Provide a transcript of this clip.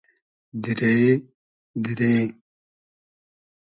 دیرې؟ دیرې؟